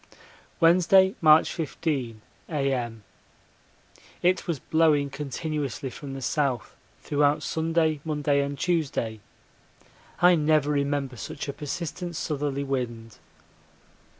Wednesday, March 15, A.M. It was blowing continuously from the south throughout Sunday, Monday, and Tuesday I never remember such a persistent southerly wind.